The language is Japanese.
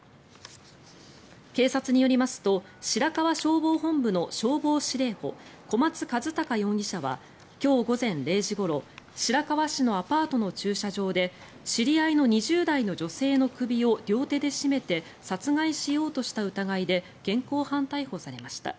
警察によりますと白河消防本部の消防司令補小松一隆容疑者は今日午前０時ごろ白河市のアパートの駐車場で知り合いの２０代の女性の首を両手で絞めて殺害しようとした疑いで現行犯逮捕されました。